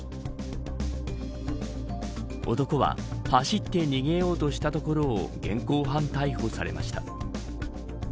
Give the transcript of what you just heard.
男は走って逃げようとしたところを現行犯逮捕されました。